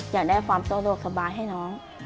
อยากได้ความสะดวกสบายให้น้อง